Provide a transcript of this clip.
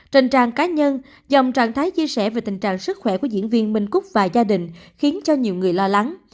trên trang cá nhân dòng trạng thái chia sẻ về tình trạng sức khỏe của diễn viên minh cúc và gia đình khiến cho nhiều người lo lắng